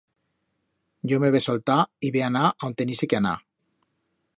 Yo me ve soltar y ve anar a on tenise que anar.